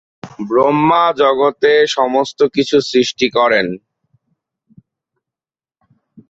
ব্রহ্মা জগতে সমস্ত কিছু সৃষ্টি করেন।